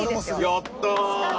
やったー！